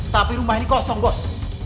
tapi rumah ini kosong bos